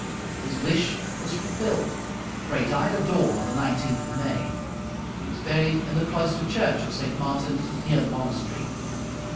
His wish was fulfilled, for he died at dawn on the 19th of May. He was buried in the Cloister Church of St. Martin, near the monastery.